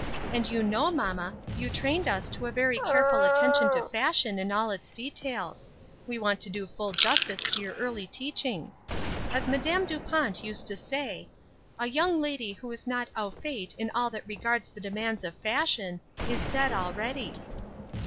And you know, mamma, you trained us to a very careful attention to fashion in all its details ; we want to do full justice to your early teachings. As Madame Dupont used to say, ' A young lady who is not au fait in all that regards the demands of fashion, is dead already.'